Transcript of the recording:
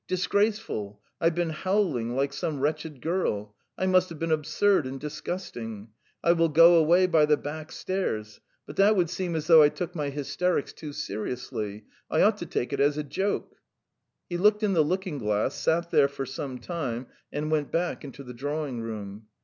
"Disgraceful! I've been howling like some wretched girl! I must have been absurd and disgusting. I will go away by the back stairs .... But that would seem as though I took my hysterics too seriously. I ought to take it as a joke. ..." He looked in the looking glass, sat there for some time, and went back into the drawing room.